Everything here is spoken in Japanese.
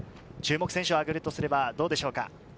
注目選手を挙げるとすればどうでしょうか？